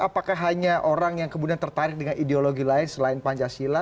apakah hanya orang yang kemudian tertarik dengan ideologi lain selain pancasila